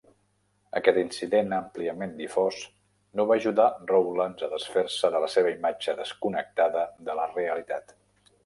Aquest incident àmpliament difós no va ajudar Rowlands a desfer-se de la seva imatge desconnectada de la realitat.